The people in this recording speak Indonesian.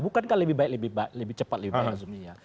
bukankah lebih baik lebih cepat lebih baik rasmi nya